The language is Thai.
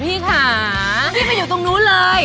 พี่มันอยู่ตรงนู้นเลย